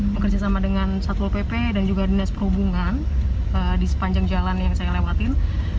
bekerja sama dengan satpol pp dan juga dinas perhubungan di sepanjang jalan yang saya lewatin